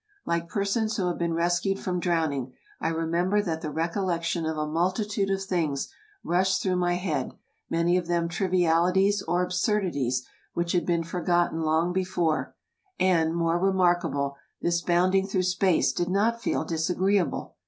Like persons who have been rescued from drowning, I remember that the recollection of a mul titude of things rushed through my head, many of them trivialities or absurdities which had been forgotten long before; and, more remarkable, this bounding through space did not feel disagreeable.